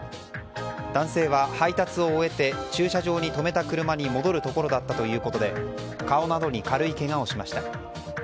男性は、配達を終えて駐車場に止めた車に戻るところだったということで顔などに軽いけがをしました。